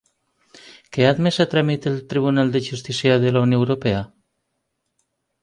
Què ha admès a tràmit el Tribunal de Justícia de la Unió Europea?